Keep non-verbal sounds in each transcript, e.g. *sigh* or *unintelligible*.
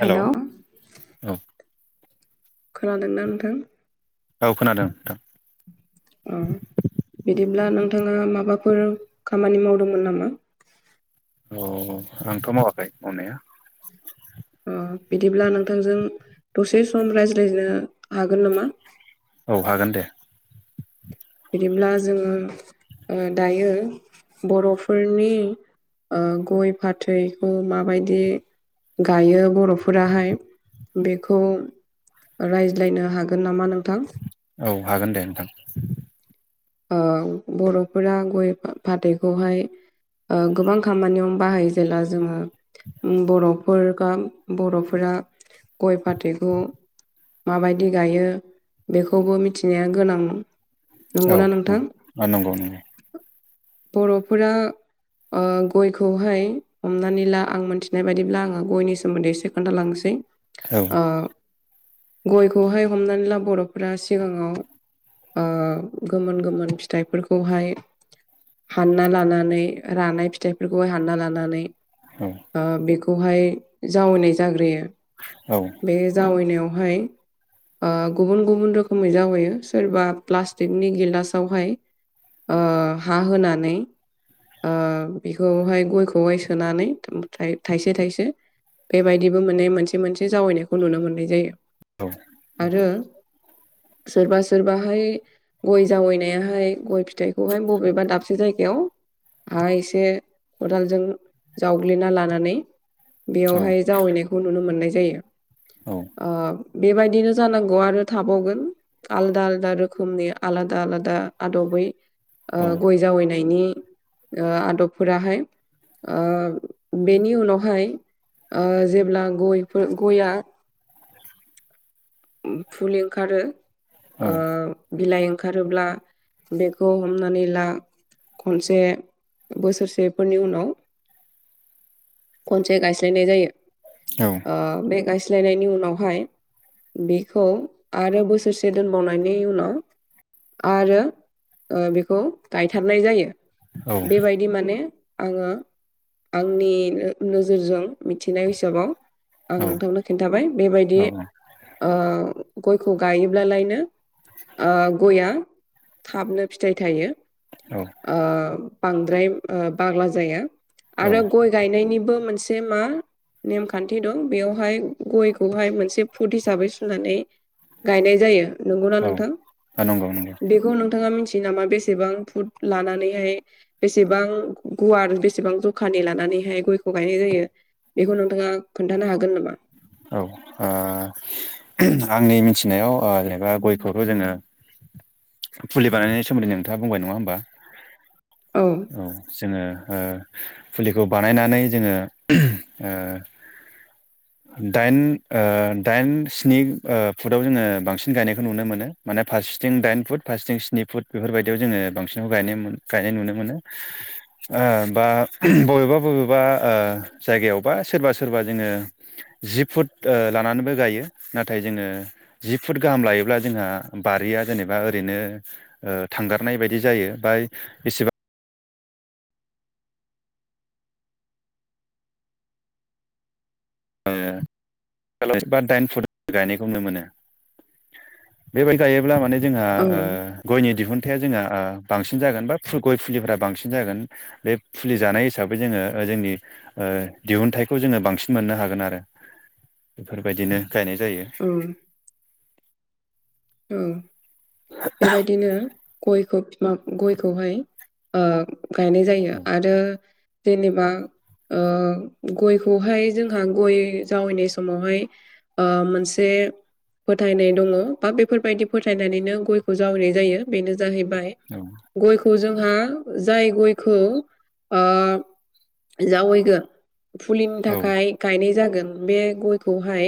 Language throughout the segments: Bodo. हेल' औ। खोनादोंना नोंथां? औ खोनादों नोंथां। औ बिदिब्ला नोंथाङा माबाफोर खामानि मावदोंमोन नामा? अ आंथ' मावाखै मावनाया। अ बिदिब्ला नोंथांजों दसे सम रायज्लायनो हागोन नामा? औ हागोन दे। बिदिब्ला ओ जोङो ओ दायो बर'फोरनि गय फाथैखौ माबादि गायो बर'फोराहाय बेखौओ रायज्लायनो हागोन नामा नोंथां। औ हागोन दे नोंथां। ओ बर'फोरा गय फाथैखौहायो गोबां खामानियावनो बाहायो जेला जोङो। बर' फोरगा बर'फोरा गय फाथैखौओ माबायदि गायो बेखौबो मिथिनाया गोनां औ नंगौना। नोंथां औ नंगौ नंगौ। बर'फोरा गयखौहाय हमनानै ला आं मोनथिनाय बायदिब्ला आङो ओ गयनि सोमोन्दै एसे खोन्थालांसै औ ओ गयखौहाय हमनानै ला बर'फोरा सिगाङाव ओ गोमोन गोमोन फिथाइफोरखौहाय ओ हानना लानानै रानाय फिथाइफोरखौ हानना लानानैनो औ। ओ बेखौहाय जावैनाय जाग्रोयोला औ‌। बे जावैनायावहाय गुबुन गुबुन रोखोमै जावैयो सोरबा प्लास्टिक फोरनि गिलासावहाय हा होनानै ओ बिखौहाय गयखौहाइ सोनानै थाइसे थाइसे‌ओ बेबायदिबो माने मोनसे मोनसे जावैनायखौ नुनो मोननाय जायो। औ। आरो सोरबा सोरबाहायो गय जावैनायाहाय गय फिथाइखौहाय बबेबा दाबसे जायगायावो हा एसे खदालजों जावग्लिना लानानैओ औ बेयावहाय जावैनायखौ नुनो मोननाय जायो। औ। ओ बेबायदिनो जानांगौ आरो थाबावगोन आलदा आलदा रोखोमनि ओ आलादा आलादा आदबै ओ गय जावैनायनि ओ आदबफोराहायो ओ बेनि उनावहाय ओ जेब्ला गयफोर गया फुलि ओंखारो ओ बिलाइ ओंखा ओंखारोब्ला बेखौ हमनानै ला खनसे बोसोरसेफोरनि उनाव खनसे गायस्लायनाय जायो। औ। ओ बे गायस्लायनायनि उनावहाय बेखौ आरो बोसोरसे दोनबावनायनि उनाव आरो बेखौ गायथारनाय जायो बेबाय दि माने आङो आंनि नोजोरजों मिथिनाय हिसाबाव आं औ नोंथांनो खिन्थाबाय औ बेबायदि ओ गयखौ गायोब्लालायनो ओ थाबनो फिथाइ थायो। औ। ओ बांद्राय बाग्ला जाया आरो गय गायनायनिबो मोनसे *unintelligible* मा नेमखान्थि दं बेयावहाय गयखौहाय मोनसे फुट हिसाबै सुनानै गायनाय जायो नंगौना नोंथां? नंगौ नंगौ। बेखौ नोंथाङा मिथियो नामा बेसेबां फुड लानानैहाय बेसेबां गुवार बेसेबां जखानि लानानैहाय गयखौ गायनाय जायो। बेखौ नोंथाङा खोन्थानो हागोन नामा? औ आ। आंनि मिथिनायाव जेनेबा गयखौथ' जोङो फुलि बानायनायनि सोमोन्दै नोंथाङा बुंबाय नङा होमबा? औ। औ जोङो फुलिखौ बानायनानै जोङो दाइन दाइन स्नि फुटाव जोङो बांसिन गायनायखौ नुनो मोनो। माने फारसेथिं दाइन फुट फारसेथिं स्नि फुट बेफोरबायदियाव जोङो बांसिनाव गायनाय नुनो मोनो। ओ बा बबेबा बबेबा जायगायावबा सोरबा सोरबा जोङो जि फुट लानानैबो गायो नाथाय जोङो जि फुट गाहाम लायोब्ला जोंहा बारिया जेनेबा ओरैनो ओ थांगारनाय बायदि जायो बा एसेबां *unintelligible* बा दाइन फुट गायनायखौ नुनो मोनो। बेबायदि गायोब्ला माने जोंहा औ ओ गयनि दिहुनथाया जोंहा बांसिन जागोन बा गय फुलिफोरा बांसिन जागोन। बे फुलि जानाय हिसाबै जोङो जोंनि दिहुनथाइखौ जोङो बांसिन मोननो हाग गोन आरो बेफोरबायदिनो गायनाय जायो। औ। औ। बेबायदिनो गयखौ बि गयखौहाय ओ गायनाय जायो औ आरो। जेनेबा ओ गयखौहाय जोंहा गय जावैनाय समावहाय ओ मोनसे फोथायनाय दङ बा बेफोरबायदि फोथायनानैनो गय खौ जावैनाय जायो बेनो जाहैबाय। औ। गयखौ जोंहा जाय गयखौ आ जावैगोन फुलिनि थाखाय गायनाय जागोन बे गयखौहाय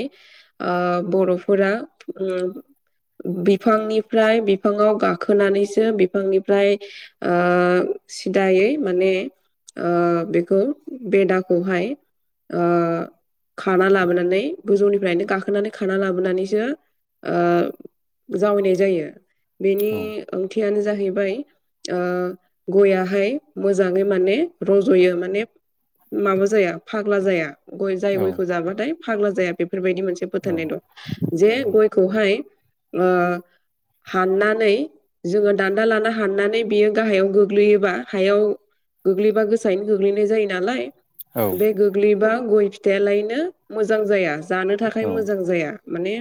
ओ बर'फोरा बिफांनिफ्राय बि बिफाङाव गाखोनानैसो बिफांनिफ्राय सिदायै माने ओ बेखौ बेदाखौहाय ओ खाना लाबोनानै गोजौनिफ्रायनो गाखोनानै खाना लाबोनानैसो ओ जावैनाय जायो बेनि औ ओंथियानो जाहैबायो ओ गयाहाय मोजाङै माने रज'यो माने ओ माबा जाया फाग्ला जाया गय जाय औ गयखौ जाबाथाय फाग्ला जाया बेफोरबायदि मोनसे औ फोथायनाय दं। जे गयखौहाय ओ हाननानै जोङो दान्दा लाना हाननानै बियो गाहायाव गोग्लैयोबा हायावो गोग्लैबा गोसायैनो गोग्लैनाय जायो नालायो औ बे गोग्लैबा गय फिथायालायनो मोजां जाया ना जानो थाखाय मोजां जाया माने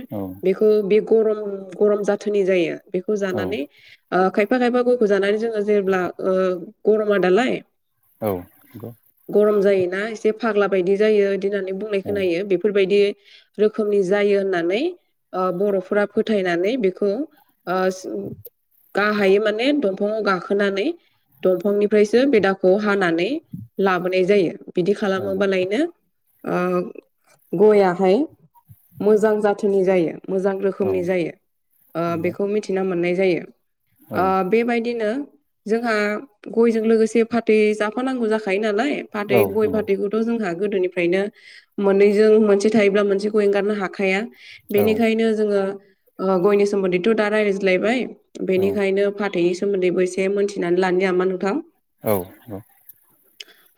बेखौ बे गरम गरम जाथोनि जायो। खौ औ जानानै ओ खायफा खायफा गयखौ जानानै जोङो जेब्ला गरमा दालायो औ नंगौ। गरम जायोना एसे फाग्ला बायदि जायो बिदि होननानै बुंनाय औ नंगौ औ खोनायो बेफोरबादि रोखोमनि जायो होननानै ओ बर'फोरा फोथायनानै बेखौओ ओ गाहायै माने दंफाङाव गाखोनानै दंफांनिफ्रायसो बेदाखौ हानानै लाबोनाय जायो। बिदि खालामोबालायनो ओ गयाहाय मोजां जाथोनि जायो मोजां रोखोमनि रोखोमनि जायो ओ बेखौ औ मिथिनो मोननाय जायो ओ नंगौ बेबायदिनो जोंहा गयजों लोगोसे फाथै जाफानांगौ जाखायो नालायो फाथै, औ गय, औ नंगौ औ फाथै थ' जोंहा गोदोनिफ्रायनो मोननैजों मोनसे थायोब्ला मोनसेखौ एंगारनो हाखाया। नंगौ औ बेनिखायनो जोङो ओ गयनि सोमोन्दैथ' दा रायज्लायबाया बेनिखायनो फाथैनि सोमोन्दैबो एसे मोनथिनानै लानो नामा नोंथां। औ औ।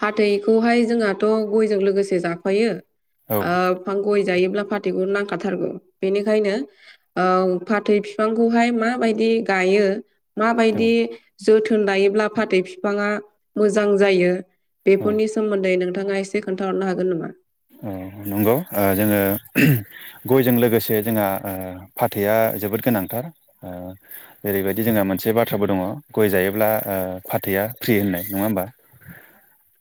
फाथैखौहाय जोंहाथ' गयजों लोगोसे जाफायो ओ फां गय जायोब्ला फाथैखौ नांखाथारगौ बेनिखायनो ओ फाथै फि बिफांखौहाय माबायदि गायो माबायदि जोथोन लायोब्ला फाथै बिफाङा मोजां जायो औ बेफोरनि सो सोमोन्दै नोंथाङा एसे खोनथाहरनो हागोन नामा? औ नंगौ जोङो ना गयजों लोगोसे जोंहा फाथैया जोबोद गोनांथारो ओरैबायदि जोंहा मोनसे बाथ्राबो दङ' गय जायोब्ला ओओ फाथैआ फ्रि होननाय नङा होमबा? *inaudible*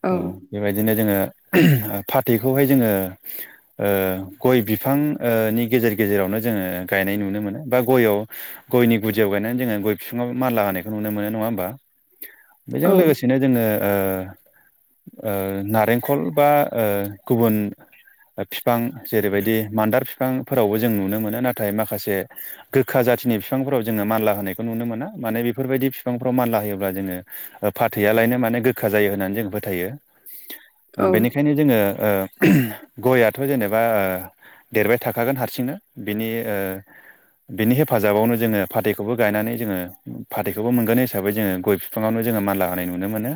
औ। बेबायदिनो जोङो फाथैखौहाय जोङो ओ ओ गय बिफांनि गेजेर गेजेरावनो जोङो गायनाय नुनो मोनो बा गयावो गयनि गुदियाव गायनानै जोङो गय बिफाङाव मानला होनायखौ नुनो मोनो नङा होमबा? बेजों औ लोगोसेनो जोङो ओ ओ नारेंखल बा ओ गुबुन बिफां जेरैबायदि मान्दार बिफांफोरावबो जों नुनो मोनो नाथाय माखासे गोखा जाथिनि बिफांफोराव जोङो मानला होनायखौ नुनो मोना माने बेफोरबायदि बिफांफ्राव मानला होयोब्ला जोङो ओ फाथैयालायनो माने गोखा जायो होननानै जों फोथायो औ बेनिखायनो जोङो ओ गयाथ' जेनेबा देरबाय थाखागोन हारसिंनो बिनि ओ आ बिनि हेफाजाबावनो जोङो फाथैखौबो गायनानै जोङो फाथैखौबो मोनगोन हिसाबै जोङो गया बिफाङावनो जोङो मानला होनाय नुनो मोनो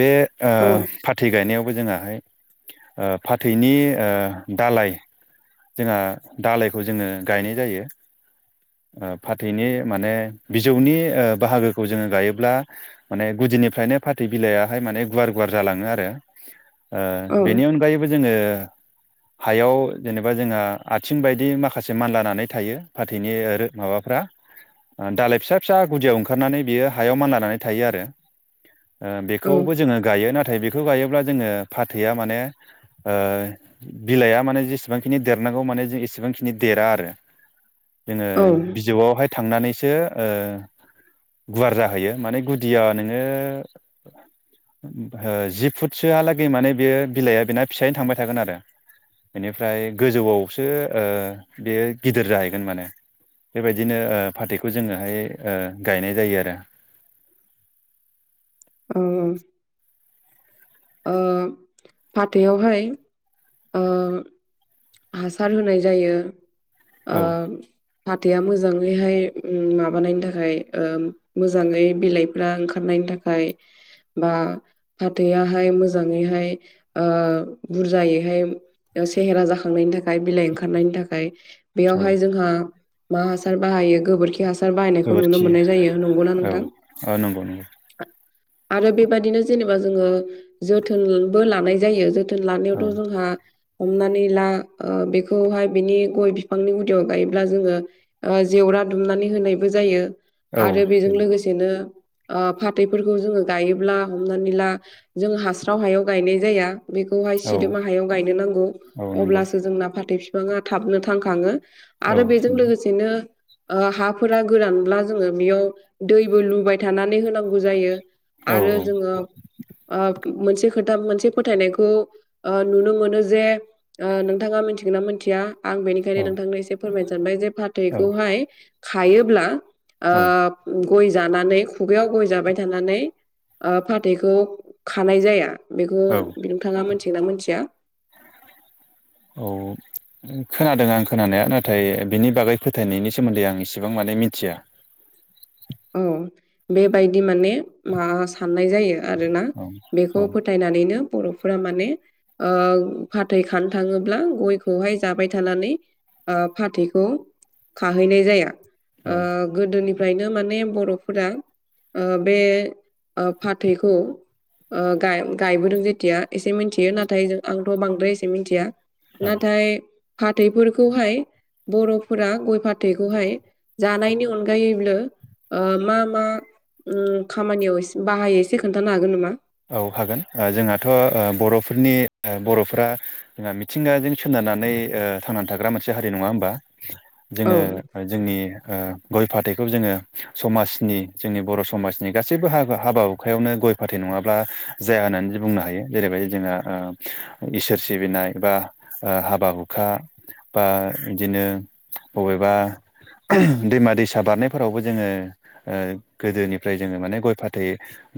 बे ओ औ फाथै गायनायावबो जोङाहायो ओ फाथैनि दालाइखौ जोंहा दालायखौ जोङो गायनाय जायो। ओ फाथैनि माने बिजौनि ओ बाहागोखौ जोङो गायोब्ला माने गुदिनिफ्रायनो फाथै बिलायाहाय माने गुवार गुवार जालाङो आरो। ओ औ बेनि अनगायैबो जोङो हायाव जेनेबा जोंहा आथिं बायदि माखासे मानलानानै थायो फाथैनि माबाफ्रा। दालाय फिसा फिसा गुदियाव ओंखारनानै बियो हायाव मानलानानै थायो आरो। ओ बेखौबो जोङो गायो नाथाय बे बेखौ गायोब्ला जोङो फाथैया माने बिलाइया माने जेसेब सेबांखिनि देरनांगौ माने जों एसेबांखिनि देरा आरो जोङो औ बिजौआवहाय थांनानैसो गुवार जाहैयो माने गुदियाव नोङो जि फुटसोहालागै माने बे बिलाइआ बेना फिसायैनो थांबाय थागोन आरो। ओमफ्राय गोजौआवसो बेयो गिदिर जाहैगोन माने। बेबायदिनो फाथैखौ जोङोहाय गायनाय जायो आरो। औ ओ फाथैयावहाय ओ हासार होनाय जायो ओ औ फाथैआ मोजाङैहाय माबानायनि थाखाय ओ मोजाङै बिलाइफ्रा ओंखारनायनि थाखाय बा फाथोआ हाय मोजाङैहाय ओ बुरजायैहाय सेहेरा जाखांनायनि थाखाय बिलाइ ओंखारनायनि थाखाय। औ बेयावहाय जोंहा मा हासार बाहायो गोबोरखि हासार बायनायखौ नुनो गोबोरखि मोननाय जायो नंगौना औ नोंथां? औ नंगौ नंगौ आरो बेबाददिनो जेनेबा जोङो जोथोनबो लानाय जायो। जोथोन औ लानायावथ' जोंहा हमनानै ला बेखौहाय बिनि गय बिफांनि गुदियाव गायोब्ला जोङो जेवरा दुमनानै होनायबो जायो। औ आरो बेजों लोगोसेनो फाथैफोरखौ जोङो गायोब्ला हमनानै ला जों हास्राव हायाव गायनाय जाया। बेखौहाय औ सिदोमा हायाव गायनो नांगौ औ नंगौ अब्लासो जोंना फाथै बिफां बिबाङा थाबनो थांखाङो औ आरो बेजों नंगौ लोगोसेनो ओ हाफोरा गोरानब्ला जोङो बेयाव दैबो लुबाय थानानै होनांगौ जायो। औ आरो जोङो ओ मोनसे खोथा मोनसे फोथायनायखौ ओ नुनो मोनो जे नोंथाङा मिथिगोन ना मिथिया? आं बेनिखायनो औ नोंथांनो एसे फोरमायनो सानबाय जे औ फाथैखौहाय खायोब्ला गय जानानै खुगायाव गय जाबाय थानानै ओ फाथैखौ खानाय जाया बेखौ औ औ नोंथाङा मिथिगोन ना मिथिया? औ खोनादों आं खोनानाया नाथाय बिनि बागै फोथायनायनि सोमोन्दै आं इसेबां माने मिथिया। औ बेबायदि माने माबा साननाय जायो आरोना औ औ बेखौ फो फोथायनानैनो बर'फोरा माने ओ फाथै खानो थाङोब्ला गयखौहाय जाबाय थानानै ओ फाथैखौ खाहैनाय जाया। औ ओ गोदोनिफ्रायनो माने बर'फोरा बे ओ फाथैखौ गायबोदों जेथिया एसे मिथियो नाथाय जों आंथ' बांद्राय एसे मिन्थिया। औ नाथाय फाथैफोरखौहाय बर'फोरा गय फाथैखौहाय जानायनि अनगायैबो मा मा खामानियाव बाहायो एसे खोन्थानो हागोन नामा? औ हागोन जोंहाथ' बर'फोरनि बर'फोरा जोंहा मिथिंगाजों सोनारनानै थांनानै थाग्रा मोनसे हारि नङा होमबा औ जोङो जोंनि गय फाथैखौ जोङो समाजनि जोंनि बर' समाजनि गासैबो ह हाबा हुखायावनो गय फाथै नङाबा ब्ला जाया होननानै बुंनो हायो जेरैबायदि जोंहा इसोर सिबिनाय बा हाबा हुखा बा बिदिनो बबेबा दैमा दैसा बारनायफोरावबो जोङो ओ गोदोनिफ्राय जोङो माने गय फाथै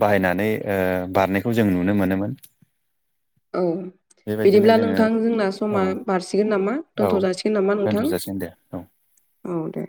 बाहायनानै ओ बारनायखौ जों नुनो मोनोमोन। औ। बेबायदिनो बिदिब्ला जोङो नोंथां जोंना औ समा बारसिगोन नामा औ दोनथ' जाासिगोन नामा दोनथ' नोंथां? जासिगोन दे औ औ दे।